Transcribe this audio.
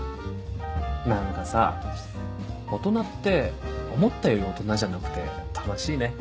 何かさ大人って思ったより大人じゃなくて楽しいね。